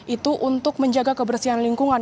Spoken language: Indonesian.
itu untuk menjaga kebersihan lingkungan